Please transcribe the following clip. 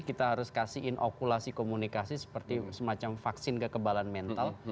kita harus kasih inokulasi komunikasi seperti semacam vaksin kekebalan mental